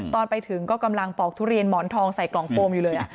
ตอนไปถึงก็กำลังปอกทุเรียนหมอนทองใส่กล่องโฟมอยู่เลย